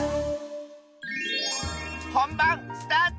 ほんばんスタート！